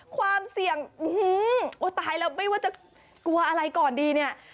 ความเสี่ยงโอ้ตายแล้วไม่ว่าจะกลัวอะไรก่อนดีเนี่ย